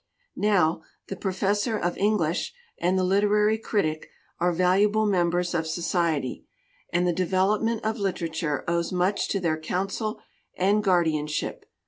Now, the professor of English and the literary critic are valuable members of society, and the development of literature owes much to their counsel and guardianship.